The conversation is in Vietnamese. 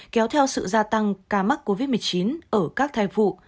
kéo theo sự gia tăng ca mắc covid một mươi chín ở các thai vụ